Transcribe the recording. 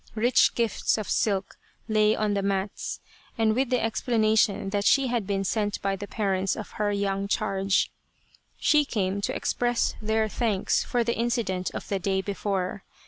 Rich gifts of silk lay on the mats, and with the explanation that she had been sent by the parents of her young charge, she came to express their thanks for the incident of the day before.